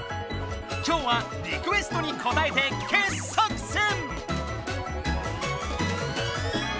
今日はリクエストにこたえて傑作選！